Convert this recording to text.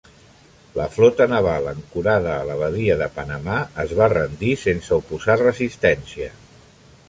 La flota naval ancorada en la badia de Panamà es va rendir sense oposar resistència.